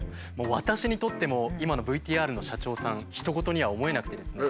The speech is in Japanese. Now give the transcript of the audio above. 私にとっても今のＶＴＲの社長さんひと事には思えなくてですね。